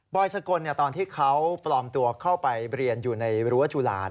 สกลตอนที่เขาปลอมตัวเข้าไปเรียนอยู่ในรั้วจุฬา